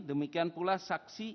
demikian pula saksi